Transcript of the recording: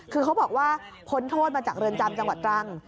คือเขาบอกว่าพ้นโทษมาจากเรือนจำจังหวัดตรัง